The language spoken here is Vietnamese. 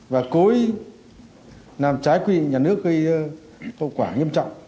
và cố ý làm trái quyền nhà nước gây tội quả nghiêm trọng